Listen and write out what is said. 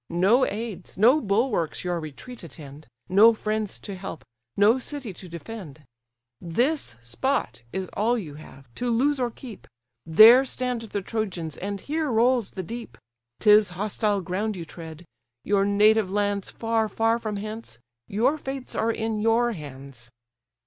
No aids, no bulwarks your retreat attend, No friends to help, no city to defend. This spot is all you have, to lose or keep; There stand the Trojans, and here rolls the deep. 'Tis hostile ground you tread; your native lands Far, far from hence: your fates are in your hands."